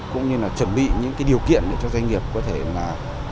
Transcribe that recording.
cũng như là chuẩn bị những cái điều kiện để cho doanh nghiệp có thể là